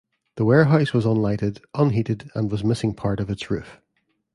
The warehouse was unlighted, unheated, and was missing part of its roof.